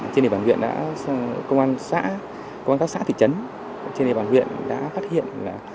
trên địa bàn huyện đã công an xã công an các xã thị trấn trên địa bàn huyện đã phát hiện là